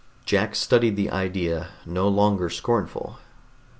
Jack studied the idea, no longer scornful.